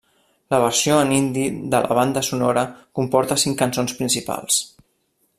La versió en hindi de la banda sonora comporta cinc cançons principals.